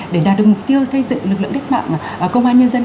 để đạt được mục tiêu xây dựng lực lượng công an nhân dân